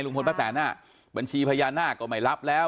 ลุงพลป้าแต่นน่ะบัญชีพญานาคก็ไม่รับแล้ว